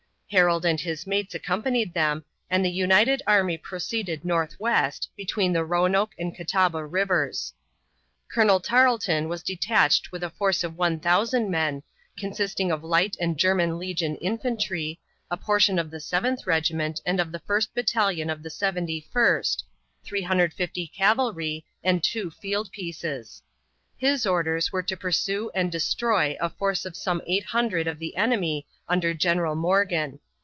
Harold and his mates accompanied them, and the united army proceeded northwest, between the Roanoke and Catawba rivers. Colonel Tarleton was detached with a force of 1000 men, consisting of light and German legion infantry, a portion of the Seventh Regiment and of the first battalion of the Seventy first, 350 cavalry, and two field pieces. His orders were to pursue and destroy a force of some 800 of the enemy under General Morgan.